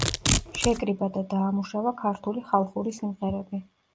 შეკრიბა და დაამუშავა ქართული ხალხური სიმღერები.